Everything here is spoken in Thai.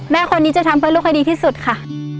แม่คนนี้จะทำเพื่อลูกให้ดีที่สุดค่ะ